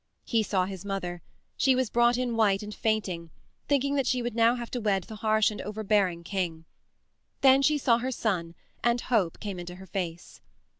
He saw his mother. She was brought in white and fainting, thinking that she would now have to wed the harsh and overbearing king. Then she saw her son, and hope came into her face.